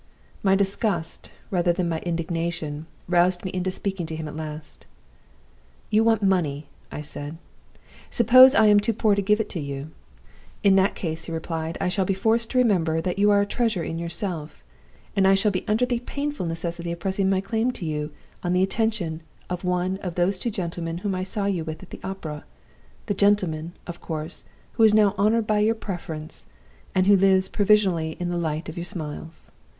"My disgust, rather than my indignation, roused me into speaking to him at last. "'You want money,' I said. 'Suppose I am too poor to give it to you?' "'In that case,' he replied, 'I shall be forced to remember that you are a treasure in yourself. And I shall be under the painful necessity of pressing my claim to you on the attention of one of those two gentlemen whom I saw with you at the opera the gentleman, of course, who is now honored by your preference, and who lives provisionally in the light of your smiles.